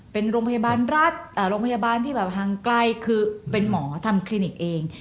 เป็นโรงพยาบาลรัฐโรงพยาบาลที่แบบห่างไกลคือเป็นหมอทำคลินิกเอง